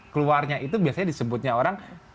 keluarnya itu biasanya disebutnya orang